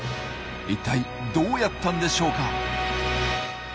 一体どうやったんでしょうか？